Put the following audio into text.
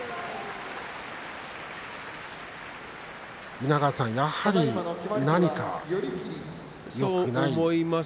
稲川さん、やはり何かよくない。